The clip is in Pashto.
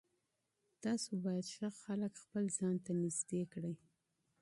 تاسو باید ښه خلک خپل ځان ته نږدې کړئ.